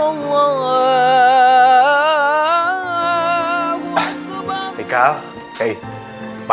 allahu akbar allahu akbar